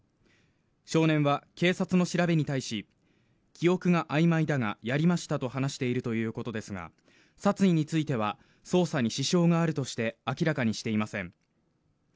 少年は警察の調べに対し記憶があいまいだがやりましたと話しているということですが殺意については捜査に支障があるとして明らかにしていません